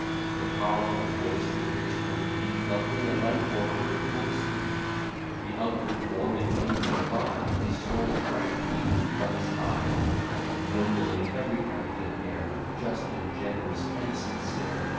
The powerful voice, the graceful mien, Lovely alike, or heard, or seen; The outward form and inward vie, His soul bright beaming from his eye, Ennobling every act and air, With just, and generous, and sincere.